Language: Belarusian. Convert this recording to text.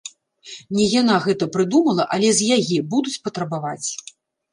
Не яна гэта прыдумала, але з яе будуць патрабаваць.